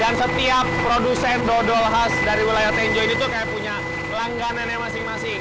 dan setiap produsen dodol khas dari wilayah tenjo ini tuh kayak punya langganan yang masing masing